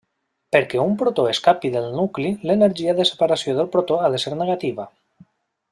Perquè un protó escapi del nucli l'energia de separació del protó ha de ser negativa.